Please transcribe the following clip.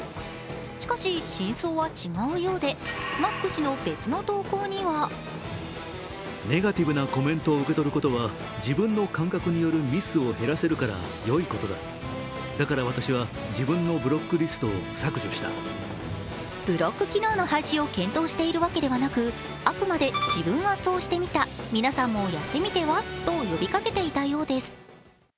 しかし真相は違うようでマスク氏の別の投稿にはブロック機能の廃止を検討しているわけではなく、あくまで自分はそうしてきた皆さんもやってみてはと呼びかけていたようです。